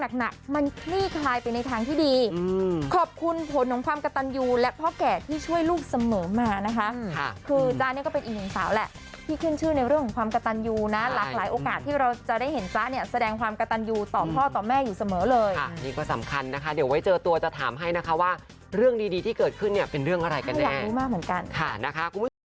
แล้วแหละที่ขึ้นชื่อในเรื่องของความกระตันยูนะลากหลายโอกาสที่เราจะได้เห็นจ๊ะเนี่ยแสดงความกระตันยูต่อพ่อต่อแม่อยู่เสมอเลยค่ะนี่ก็สำคัญนะคะเดี๋ยวไว้เจอตัวจะถามให้นะคะว่าเรื่องดีที่เกิดขึ้นเนี่ยเป็นเรื่องอะไรกันแน่ถ้าอยากรู้มากเหมือนกันค่ะนะคะ